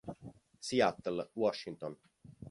Seattle, Washington.